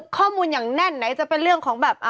ข้อมูลอย่างแน่นไหนจะเป็นเรื่องของแบบ